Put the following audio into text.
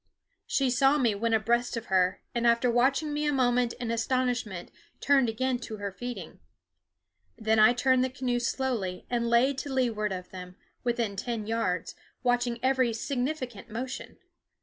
She saw me when abreast of her, and after watching me a moment in astonishment turned again to her feeding. Then I turned the canoe slowly and lay to leeward of them, within ten yards, watching every significant motion.